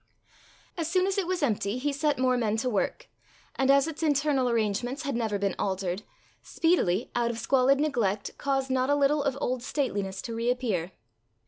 As soon as it was empty, he set more men to work, and as its internal arrangements had never been altered, speedily, out of squalid neglect, caused not a little of old stateliness to reappear.